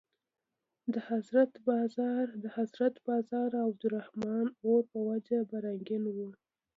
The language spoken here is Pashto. د حضرت باز او عبدالرحمن اور په وجه به رنګین وو.